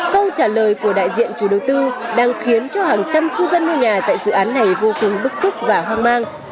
câu trả lời của đại diện chủ đầu tư đang khiến cho hàng trăm cư dân ngôi nhà tại dự án này vô cùng bức xúc và hoang mang